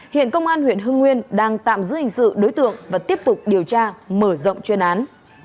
hiện công an huyện hưng nguyên đang tạm giữ hình sự đối tượng và tiếp tục điều tra mở rộng chuyên án